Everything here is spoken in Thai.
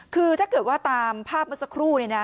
คือถ้าเกิดว่าตามภาพเมื่อสักครู่เนี่ยนะ